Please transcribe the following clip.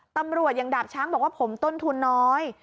ตำรวจอย่างดาบช้างบอกว่าผมต้นทุนน้อย